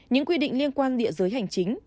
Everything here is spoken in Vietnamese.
những quy định liên quan địa dưới hành chính